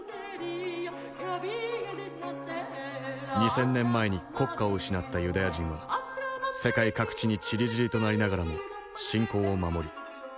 ２，０００年前に国家を失ったユダヤ人は世界各地にちりぢりとなりながらも信仰を守りコミュニティーを作ってきた。